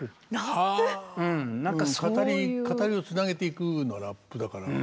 語りをつなげていくのはラップだから。